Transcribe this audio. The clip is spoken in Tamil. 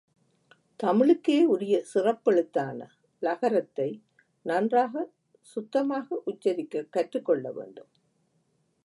தமிழுக்கே உரிய சிறப்பெழுத்தான ழகறத்தை நன்றாகச் சுத்தமாக உச்சரிக்கக் கற்றுக் கொள்ள வேண்டும்.